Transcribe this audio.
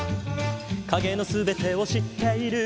「影の全てを知っている」